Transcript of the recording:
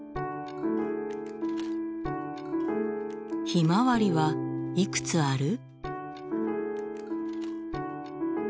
ひまわりはいくつある？